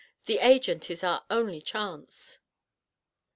The Agent is our only chance."